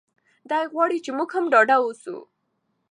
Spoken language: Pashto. دی غواړي چې موږ هم ډاډه اوسو.